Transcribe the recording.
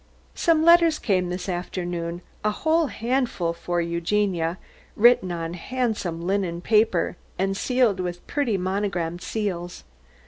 Some letters came this afternoon, a whole handful for Eugenia, written on handsome linen paper and sealed with pretty monogram seals.